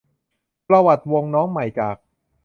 ประวัติวงน้องใหม่จาก